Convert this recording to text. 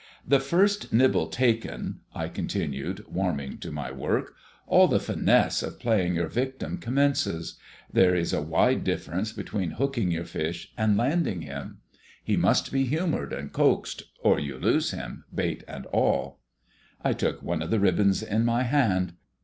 "The first nibble taken," I continued, warming to my work, "all the finesse of playing your victim commences. There is a wide difference between hooking your fish and landing him. He must be humoured and coaxed, or you lose him, bait and all." I took one of the ribbons in my hand.